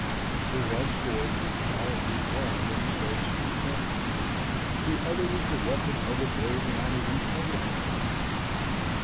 The one sword was gallantly drawn in the service of the king, the other was the weapon of a brave and honoured republican soldier.